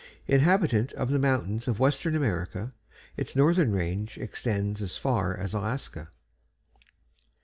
Inhabitant of the mountains of western America. Its northern range extends as far as Alaska.